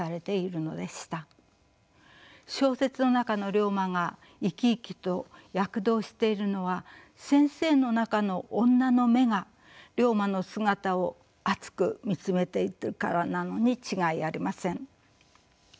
小説の中の竜馬が生き生きと躍動しているのは先生の中の女の眼が竜馬の姿を熱く見つめているからなのに違いありません。